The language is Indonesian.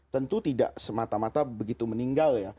tentu tidak semata mata begitu meninggal ya